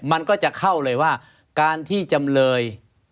มันก็จะเข้าเลยว่าการที่จำเลย